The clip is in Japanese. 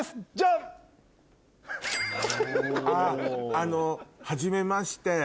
あっあのはじめまして。